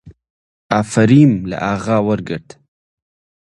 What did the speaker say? ئافەریمم لە ئاغا وەرگرت